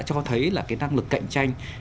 cho thấy là cái năng lực cạnh tranh